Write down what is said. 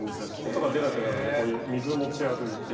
音が出なくなるんでこういう水持ち歩いて。